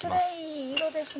いい色ですね